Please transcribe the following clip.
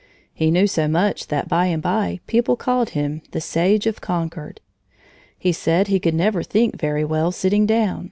He knew so much that by and by people called him "The Sage of Concord." He said he could never think very well sitting down.